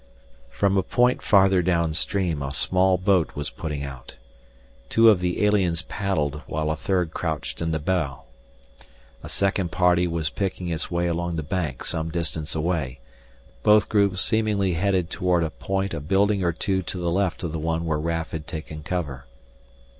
From a point farther downstream a small boat was putting out. Two of the aliens paddled while a third crouched in the bow. A second party was picking its way along the bank some distance away, both groups seemingly heading toward a point a building or two to the left of the one where Raf had taken cover.